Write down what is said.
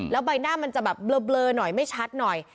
แล้วใบหน้ามันจะแบบเบลอหน่อยไม่ชัดหน่อย